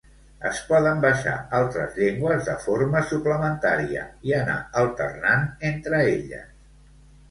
Es poden baixar altres llengües de forma suplementària i anar alternant entre elles.